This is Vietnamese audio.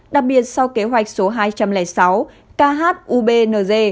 đặc biệt sau kế hoạch số hai trăm linh sáu khubnz